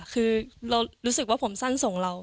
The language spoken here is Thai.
คือเรารู้สึกว่าผมสั้นส่งเรา